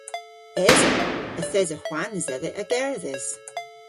Esa. Yth esa hwans dhedha a gerdhes.